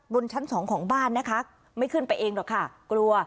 ชั้นสองของบ้านนะคะไม่ขึ้นไปเองหรอกค่ะกลัว